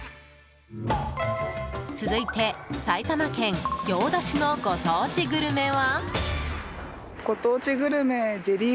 続いて埼玉県行田市のご当地グルメは？